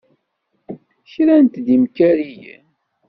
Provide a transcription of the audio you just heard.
Krant-d imkariyen.